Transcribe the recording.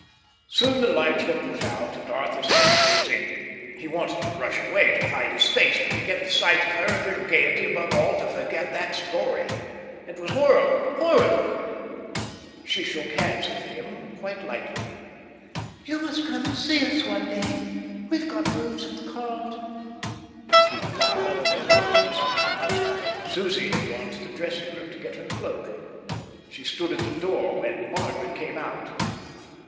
Soon the lights were put out, and Arthur's agony was ended. He wanted to rush away, to hide his face, to forget the sight of her and her gaiety, above all to forget that story. It was horrible, horrible. She shook hands with him quite lightly. "You must come and see us one day. We've got rooms at the Carlton." He bowed and did not answer. Susie had gone to the dressing room to get her cloak. She stood at the door when Margaret came out.